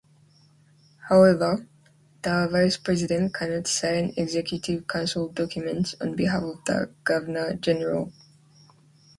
However, the Vice-President cannot sign Executive Council documents on behalf of the Governor-General.